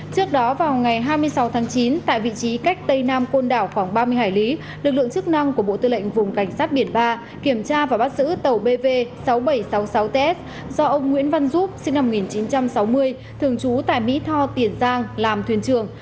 trước đó vào ngày hai mươi sáu tháng chín tại vị trí cách tây nam côn đảo khoảng ba mươi hải lý lực lượng chức năng của bộ tư lệnh vùng cảnh sát biển ba kiểm tra và bắt giữ tàu bv sáu nghìn bảy trăm sáu mươi sáu ts do ông nguyễn văn giúp sinh năm một nghìn chín trăm sáu mươi thường trú tại mỹ tho tiền giang làm thuyền trường